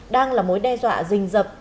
đang là mối đe dọa dình dập